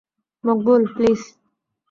Maqbool, please!